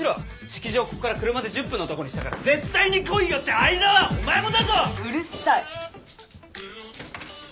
式場こっから車で１０分のとこにしたから絶対に来いよって藍沢お前もだぞ！うるさい。